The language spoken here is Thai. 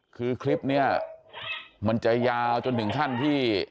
คือคลิปนี้มันจะยาวจนถึงขั้นที่